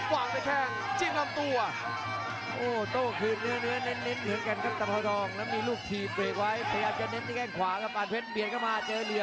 วางแค่ขวาจิ้มลำตัว